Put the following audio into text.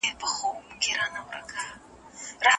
کورنۍ باید اړیکه وساتي.